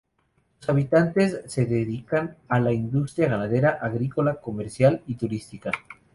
Sus habitantes se dedican a la industria ganadera, agrícola, comercial y turística.